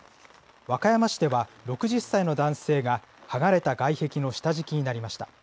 和歌山市では６０歳の男性が、剥がれた外壁の下敷きになりました。